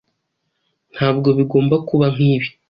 Ntabwo bigomba kuba nkibi